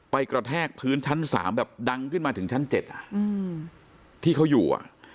กระแทกพื้นชั้น๓แบบดังขึ้นมาถึงชั้น๗ที่เขาอยู่อ่ะ